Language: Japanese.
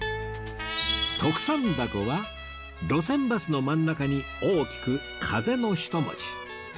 徳さん凧は「路線バ寿」の真ん中に大きく「風」の一文字